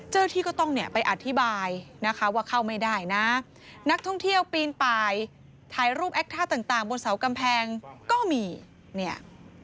ที่ก็ต้องเนี่ยไปอธิบายนะคะว่าเข้าไม่ได้นะนักท่องเที่ยวปีนไปถ่ายรูปแอคท่าต่างบนเสากำแพงก็มีเนี่ย